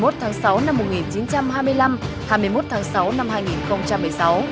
hai mươi một tháng sáu năm một nghìn chín trăm hai mươi năm hai mươi một tháng sáu năm hai nghìn một mươi sáu